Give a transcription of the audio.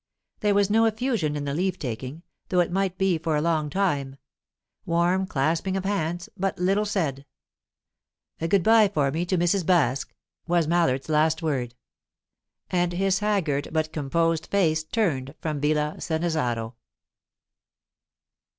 There was no effusion in the leave taking, though it might be for a long time. Warm clasping of hands, but little said. "A good bye for me to Mrs. Baske," was Mallard's last word. And his haggard but composed face turned from Villa Sannazaro.